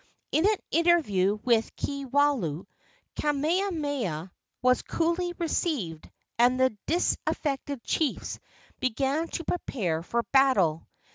In an interview with Kiwalao, Kamehameha was coolly received, and the disaffected chiefs began to prepare for battle.